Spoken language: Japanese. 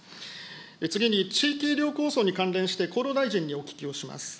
次に地域医療構想に関連して、厚労大臣にお聞きをします。